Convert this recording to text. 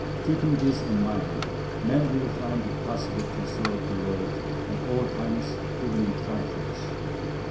Keeping this in mind, man will find it possible to serve the Lord at all times, even in trifles.